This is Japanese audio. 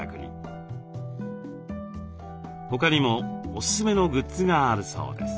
他にもおすすめのグッズがあるそうです。